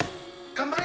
頑張れ！